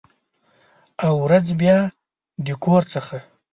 او، ورځ بیا د کور څخه